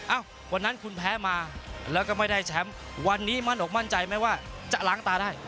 วันนั้นคุณแพ้มาแล้วก็ไม่ได้แชมป์วันนี้มั่นอกมั่นใจไหมว่าจะล้างตาได้